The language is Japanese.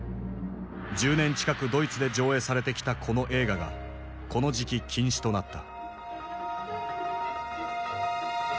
１０年近くドイツで上映されてきたこの映画がこの時期禁止となった。